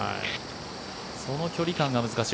その距離感が難しい。